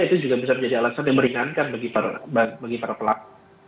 itu juga bisa menjadi alasan yang meringankan bagi para pelaku